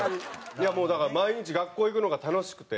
いやもうだから毎日学校行くのが楽しくて。